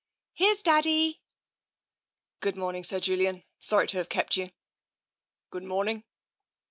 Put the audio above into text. " Here's Daddy !"" Good morning, Sir Julian. Sorry to have kept you." " Good morning."